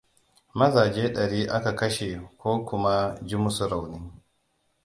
Mazaje dari aka kashe ko kuma ji musu rauni.